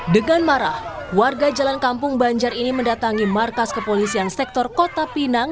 dengan marah warga jalan kampung banjar ini mendatangi markas kepolisian sektor kota pinang